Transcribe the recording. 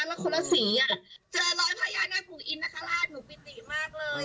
แล้วคนละสีเจอรอยพญานาคปู่อินนคราชหนูปิติมากเลย